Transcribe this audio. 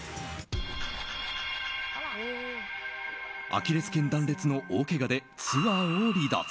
アキレス腱断裂の大けがでツアーを離脱。